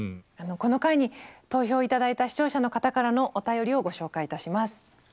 この回に投票頂いた視聴者の方からのお便りをご紹介いたします。